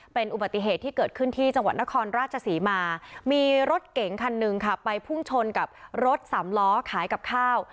เป็นอุบัติเหตุที่เกิดขึ้นที่จังหวัดนครราชศรีมามีรถเก๋งคันหนึ่งค่ะไปพุ่งชนกับรถสามล้อขายกับข้าว